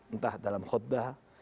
entah dalam khutbah